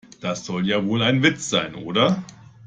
Das soll ja wohl ein Witz sein, oder?